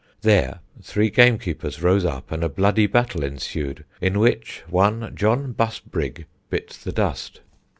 There three gamekeepers rose up, and a bloody battle ensued in which one John Busbrig bit the dust.